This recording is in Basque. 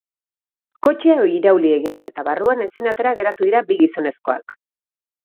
Kotxea irauli egin da eta barruan, ezin atera geratu dira bi gizonezkoak.